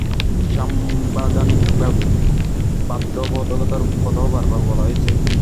সাংবিধানিক বাধ্যবাধকতার কথাও বারবার বলা হয়েছে।